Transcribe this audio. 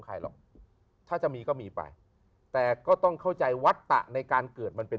ใครหรอกถ้าจะมีก็มีไปแต่ก็ต้องเข้าใจวัตตะในการเกิดมันเป็น